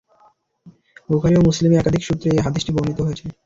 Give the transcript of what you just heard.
বুখারী ও মুসলিমে একাধিক সূত্রে এ হাদীসটি বর্ণিত হয়েছে।